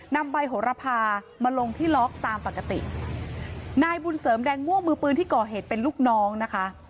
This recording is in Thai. นำใบโหระพามาลงที่ล็อกตามปกตินายบุญเสริมแดงม่วงมือปืนที่ก่อเหตุเป็นลูกน้องนะคะ